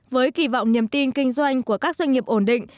với kỳ vọng niềm tin kinh doanh của các doanh nghiệp ổn định